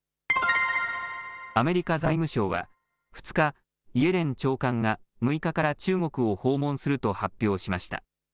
アメリカ財務省は２日、イエレン長官が６日から中国を訪問すると発表しました。